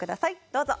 どうぞ。